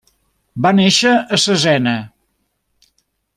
Va néixer a Cesena.